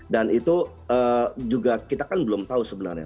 dan itu juga kita kan belum tahu sebenarnya